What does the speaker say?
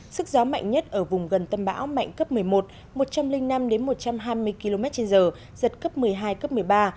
sức gió mạnh nhất ở vùng gần tâm bão mạnh cấp một mươi một một trăm linh năm một trăm hai mươi km trên giờ giật cấp một mươi hai cấp một mươi ba